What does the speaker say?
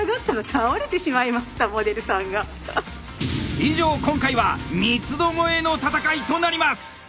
以上今回は三つどもえの戦いとなります！